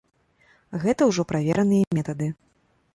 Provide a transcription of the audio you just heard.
Гэта ўжо правераныя метады.